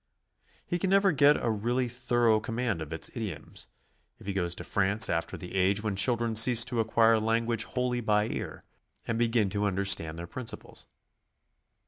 He never can get a really thor ough command of its idioms, if he goes to France after the age when children cease to acquire languages wholly by ear 240 GOING ABROAD? and begin to understand their principles.